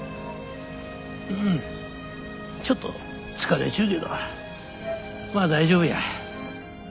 ちょっと疲れちゅうけどまあ大丈夫や。